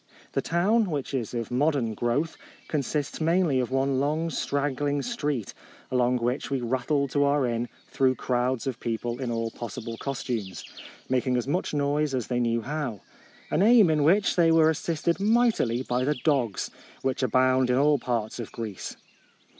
The town, which is of modern growth, con sists mainly of one long strag gling street, along which we rat tled to our inn through crowds of people in all possible costumes, making as much noise as they knew how — an aim in which they were assisted mightily by the dogs, which abound in all parts of Greece.